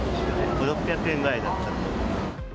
５、６００円ぐらいだったと思う。